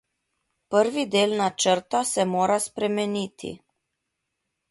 Prvi del načrta se mora spremeniti.